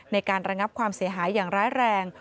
ในการระงับความเสียหายอย่างร้ายแรง